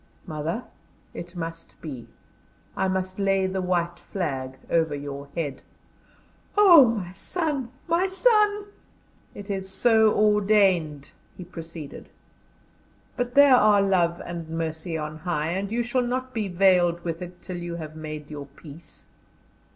"Mother, it must be, I must lay the white flag over your head." "Oh! my son, my son!" "It is so ordained," he proceeded; "but there are Love and Mercy on high, and you shall not be veiled with it till you have made your peace.